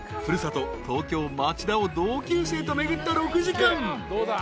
古里東京町田を同級生と巡った６時間］